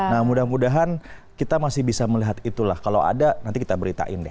nah mudah mudahan kita masih bisa melihat itulah kalau ada nanti kita beritain deh